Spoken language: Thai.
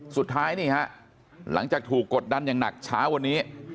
สุดท้ายนี่ฮะหลังจากถูกกดดันอย่างหนักเช้าวันนี้